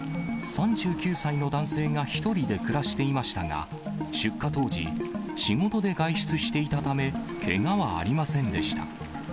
３９歳の男性が１人で暮らしていましたが、出火当時、仕事で外出していたため、けがはありませんでした。